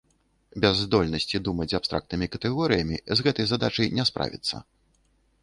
Без здольнасці думаць абстрактнымі катэгорыямі з гэтай задачай не справіцца.